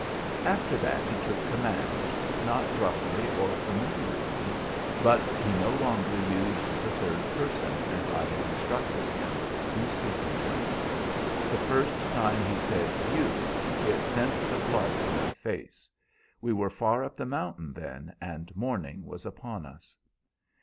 "After that he took command, not roughly or familiarly, but he no longer used the third person, as I had instructed him, in speaking to me. The first time he said 'you' it sent the blood to my face. We were far up the mountain then, and morning was upon us.